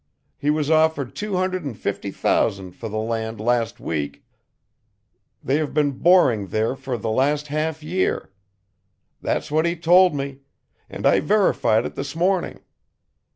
He was offered two hundred and fifty thousand for the land last week, they have been boring there for the last half year,' that's what he told me, and I verified it this morning.